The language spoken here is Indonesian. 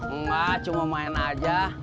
enggak cuma main aja